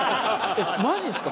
マジっすか？